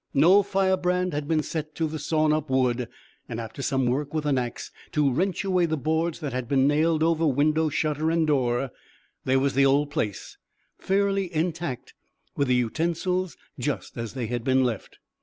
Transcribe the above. No firebrand had been set to the sawn up wood, and after some work with an axe to wrench away the boards that had been nailed over window shutter and door, there was the old place fairly intact, with the utensils just as they had been left.